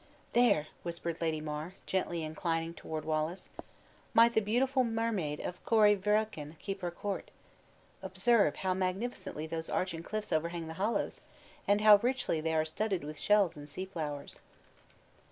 "There," whispered Lady mar, gently inclining toward Wallace, "might the beautiful mermaid of Corie Vrekin keep her court! Observe how magnificently those arching cliffs overhang the hollows, and how richly they are studded with shells and sea flowers!"